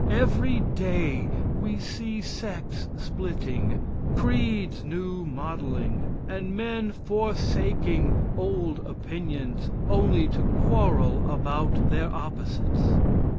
Every day we see sects splitting, creeds new modelling, and men forsaking old opinions only to quarrel about their opposites.